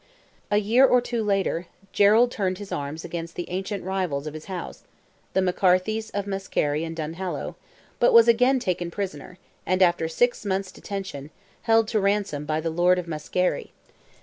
A year or two later, Gerald turned his arms against the ancient rivals of his house—the McCarthys of Muskerry and Duhallow—but was again taken prisoner, and after six months' detention, held to ransom by the Lord of Muskerry.